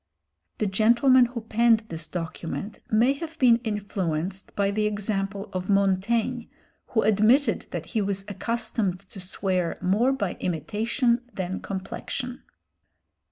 The gentleman who penned this document may have been influenced by the example of Montaigne who admitted that he was accustomed to swear "more by imitation than complexion."